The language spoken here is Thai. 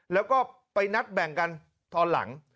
แล้วก็ไปนัดแบ่งกันตอนหลัง